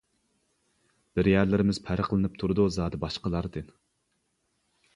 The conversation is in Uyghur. بىر يەرلىرىمىز پەرقلىنىپ تۇرىدۇ زادى باشقىلاردىن.